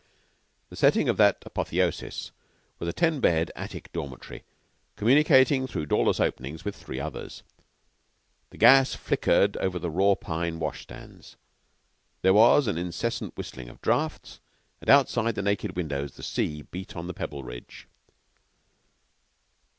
The setting of that apotheosis was a ten bed attic dormitory, communicating through doorless openings with three others. The gas flickered over the raw pine washstands. There was an incessant whistling of drafts, and outside the naked windows the sea beat on the Pebbleridge.